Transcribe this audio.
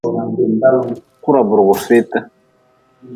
Kura burgu feetii.